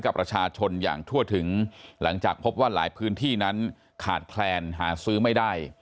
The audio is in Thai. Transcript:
กับประชาชนอย่างทั่วถึงหลังจากพบว่าหลายพื้นที่นั้นขาดแคลนหาซื้อไม่ได้